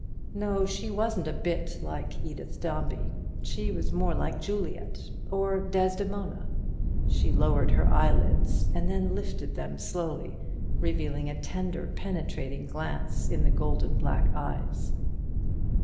No, she wasn't a bit like Edith Dombey; she was more like Juliet, or Desdemona. She lowered her eyelids, and then lifted them slowly, revealing a tender penetrating glance in the golden black eyes.